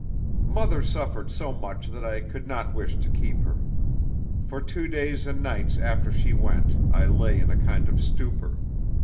"Mother suffered so much that I could not wish to keep her. For two days and nights after she went, I lay in a kind of stupor.